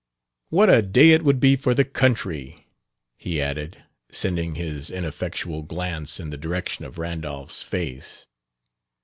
"What a day it would be for the country," he added, sending his ineffectual glance in the direction of Randolph's face.